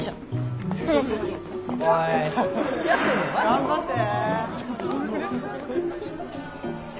頑張って。